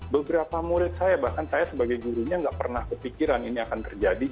beberapa murid saya bahkan saya sebagai gurunya nggak pernah kepikiran ini akan terjadi